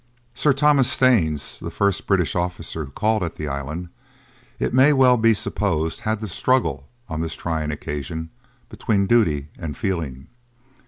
Sir Thomas Staines, the first British officer who called at the island, it may well be supposed, had to struggle, on this trying occasion, between duty and feeling.